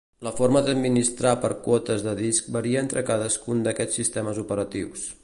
La forma d'administrar per quotes de disc varia entre cadascun d'aquests sistemes operatius.